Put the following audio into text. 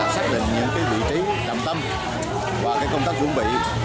xác định những vị trí trạm tâm và công tác chuẩn bị